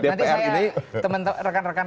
dpr ini nanti saya teman rekan